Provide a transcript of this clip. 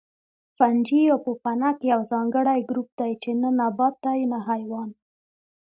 فنجي یا پوپنک یو ځانګړی ګروپ دی چې نه نبات دی نه حیوان